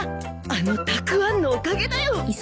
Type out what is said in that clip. あのたくあんのおかげだよ。